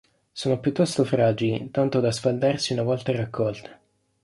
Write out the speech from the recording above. Sono piuttosto fragili, tanto da sfaldarsi una volta raccolte.